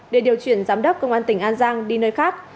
để điều chuyển giám đốc công an tỉnh an giang đi nơi khác